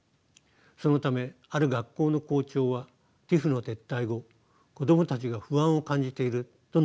そのためある学校の校長はＴＩＰＨの撤退後子供たちが不安を感じていると述べています。